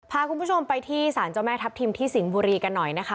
พาคุณผู้ชมไปที่สารเจ้าแม่ทัพทิมที่สิงห์บุรีกันหน่อยนะคะ